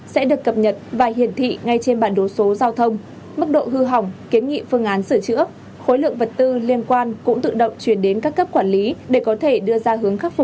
sẽ được cập nhật và hiển thị ngay trên bản đồ số giao thông